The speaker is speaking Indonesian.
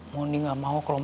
mundi gak mau keluar